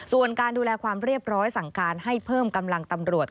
ส่วนการดูแลความเรียบร้อยสั่งการให้เพิ่มกำลังตำรวจ